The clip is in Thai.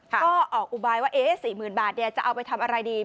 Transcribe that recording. ก็ออกอุบายว่า๔๐๐๐บาทจะเอาไปทำอะไรดี